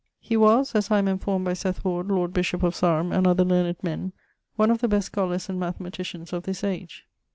He was (as I am enformed by Seth Ward, Lord Bishop of Sarum, and other learned men) one of the best scholars and mathematicians of this age.